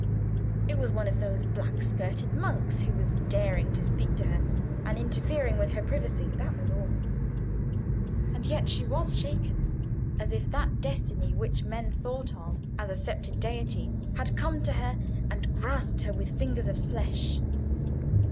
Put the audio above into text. It was one of those black skirted monks who was daring to speak to her, and interfere with her privacy: that was all. And yet she was shaken, as if that destiny which men thought of as a sceptred deity had come to her, and grasped her with fingers of flesh.